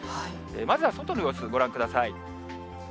まずは外の様子、ご覧ください。